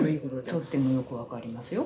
とってもよく分かりますよ